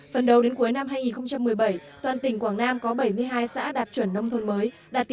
phần đầu đến cuối năm hai nghìn một mươi bảy toàn tỉnh quảng nam có bảy mươi hai xã đạt chuẩn nông thôn mới đạt tỷ